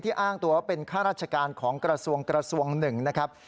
อ้างตัวว่าเป็นข้าราชการของกระทรวงกระทรวงหนึ่งนะครับ